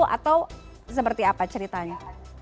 atau seperti apa ceritanya